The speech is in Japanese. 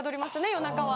夜中は。